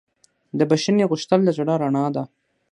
د بښنې غوښتل د زړه رڼا ده.